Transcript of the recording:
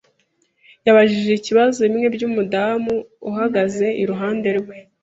Yabajije ibibazo bimwe byumudamu uhagaze iruhande rwe.